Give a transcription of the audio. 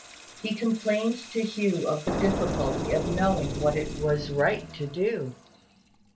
He complained to Hugh of the difficulty of knowing what it was right to do.